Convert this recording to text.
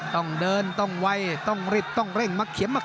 ต้องเดินต้องไวต้องรีบ